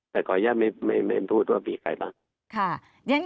แต่ขออนุญาตไม่พูดว่ามีใครบ้าง